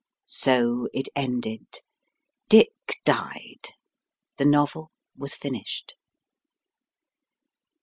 So it ended. Dick died. The novel was finished.